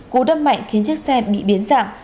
cú đâm mạnh khiến chiếc xe bị biến dạng